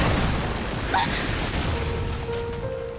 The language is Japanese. あっ！